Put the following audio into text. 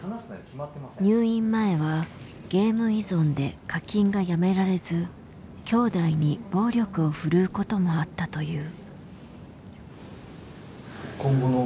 入院前はゲーム依存で課金がやめられずきょうだいに暴力を振るうこともあったという。